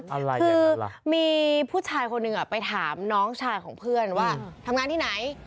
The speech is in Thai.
อะไรคือมีผู้ชายคนหนึ่งไปถามน้องชายของเพื่อนว่าทำงานที่ไหน